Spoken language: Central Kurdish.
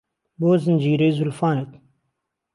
بۆ زنجيرەی زولفانت